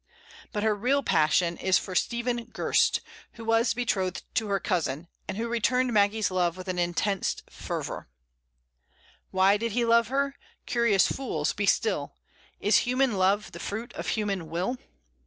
But her real passion is for Stephen Gurst, who was betrothed to her cousin, and who returned Maggie's love with intense fervor. "Why did he love her? Curious fools, be still! Is human love the fruit of human will?"